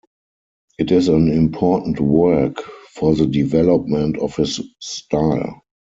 It is an important work for the development of his style.